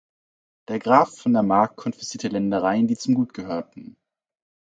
Der Graf von der Mark konfiszierte Ländereien, die zum Gut gehörten.